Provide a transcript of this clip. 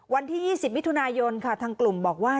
วันที่๒๐มิถุนายนค่ะทางกลุ่มบอกว่า